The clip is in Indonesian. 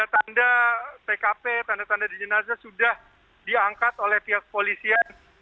tanda tkp tanda tanda di jenazah sudah diangkat oleh pihak polisian